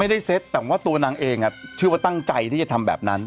เซ็ตแต่ว่าตัวนางเองเชื่อว่าตั้งใจที่จะทำแบบนั้น